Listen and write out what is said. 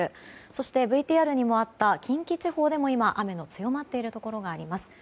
そしてＶＴＲにもあった近畿地方でも雨が強まっているところがあります。